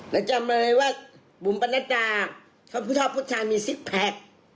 แล้วจำเลยว่ะบุหมประณาตาชอบผู้ชัยมีซิสแพ็ค